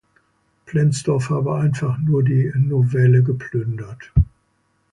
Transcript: Plenzdorf habe „einfach nur die Novelle geplündert“.